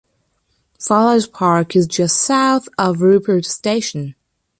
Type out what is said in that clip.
Falaise Park is just south of Rupert Station.